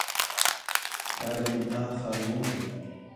عالم آخر ممكن.